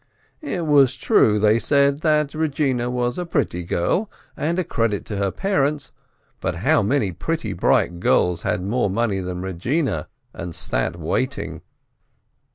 It was true, they said, that Eegina was a pretty girl and a credit to her parents, but how many pretty, bright girls had more money than Eegina, and sat waiting?